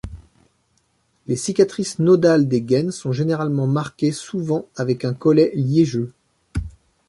Les cicatrices nodales des gaines sont généralement marquées, souvent avec un collet liégeux.